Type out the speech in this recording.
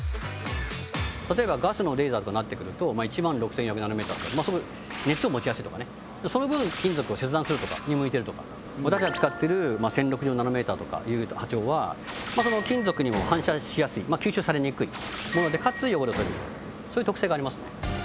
例えばガスのレーザーとかなってくると１万６１００ｎｍとかすごい熱を持ちやすいとかねその分金属を切断するとかに向いてるとか私たちが使ってる１０６０ｎｍとかいう波長は金属にも反射しやすい吸収されにくいものでかつ汚れを取るそういう特性がありますね